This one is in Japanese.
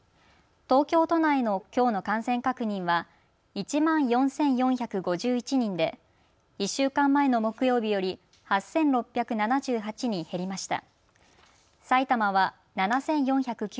東京都内のきょうの感染確認は１万４４５１人で１週間前の木曜日より８６７８人減りました。